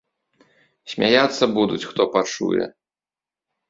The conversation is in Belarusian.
Смяяцца будуць, хто пачуе.